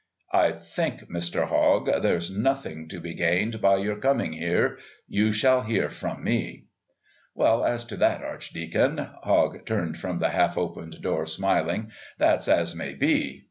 "I think, Mr. Hogg, there's nothing to be gained by your coming here. You shall hear from me." "Well, as to that, Archdeacon," Hogg turned from the half opened door, smiling, "that's as may be.